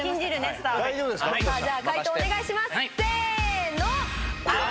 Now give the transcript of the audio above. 解答お願いします！せの！